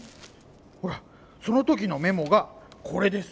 ほらその時のメモがこれです。